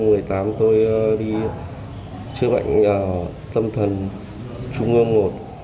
năm hai nghìn một mươi tám tôi đi chữa bệnh tâm thần trung ương một